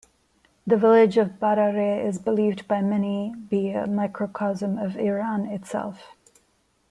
The village of Barareh is believed by many be a microcosm of Iran itself.